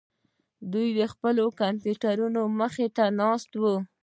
دوی د خپلو کمپیوټرونو مخې ته ناست وو